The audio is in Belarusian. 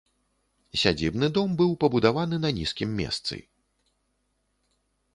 Сядзібны дом быў пабудаваны на нізкім месцы.